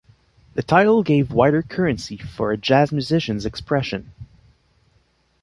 The title gave wider currency for a jazz musician's expression.